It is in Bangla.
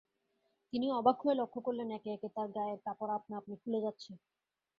তিনি অবাক হয়ে লক্ষ করলেন, একে-একে তাঁর গায়ের কাপড় আপনা-আপনি খুলে যাচ্ছে।